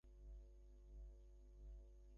শোন যত পারিস, এসব কথা তুই বুঝবি না।